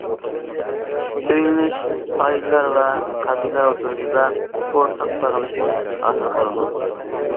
ئۆيلىنىش ئائىلىلەر ۋە قەبىلىلەر ئوتتۇرىسىدا ئورتاق باغلىنىشنى ھاسىل قىلىدۇ.